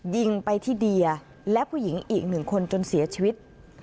ยิงไปที่เดียและผู้หญิงอีกหนึ่งคนจนเสียชีวิต